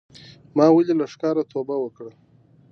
ما ولې له ښکاره توبه وکړه